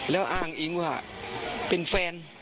แล้วอ้างอิงว่าเป็นแฟน